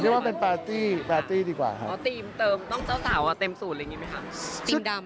เรียกว่าเป็นปาร์ตี้ดีกว่าครับ